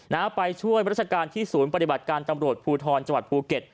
นะฮะไปช่วยราชการที่ศูนย์ปฏิบัติการตำรวจภูทรจังหวัดภูเก็ต